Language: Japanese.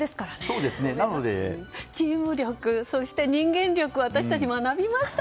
チーム力、そして人間力を私たち、学びました。